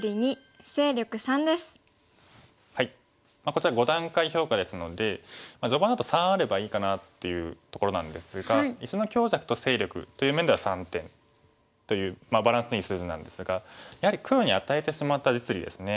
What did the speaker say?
こちら５段階評価ですので序盤だと３あればいいかなっていうところなんですが石の強弱と勢力という面では３点というバランスのいい数字なんですがやはり黒に与えてしまった実利ですね。